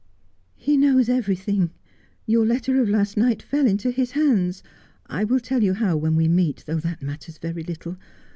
' He knows everything. Your letter of last night fell into his hands. I will tell you how, when we meet, though that mat ters very little.